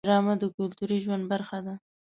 ډرامه د کلتوري ژوند برخه ده